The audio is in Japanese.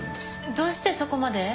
どうしてそこまで？